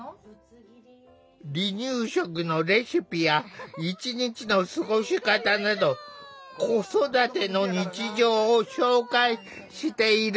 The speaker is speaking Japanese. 離乳食のレシピや一日の過ごし方など子育ての日常を紹介している。